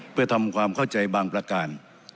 เพื่อทำความเข้าใจบางประการ